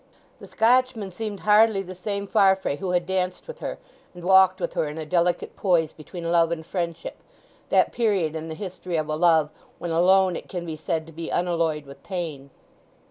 The Scotchman seemed hardly the same Farfrae who had danced with her and walked with her in a delicate poise between love and friendship—that period in the history of a love when alone it can be said to be unalloyed with pain.